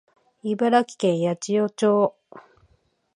茨城県八千代町